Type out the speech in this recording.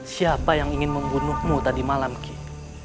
siapa yang ingin membunuhmu tadi malam kik